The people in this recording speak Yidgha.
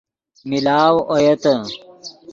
ملاؤ اویتے